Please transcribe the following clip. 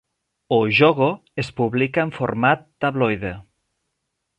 "O Jogo" es publica en format tabloide.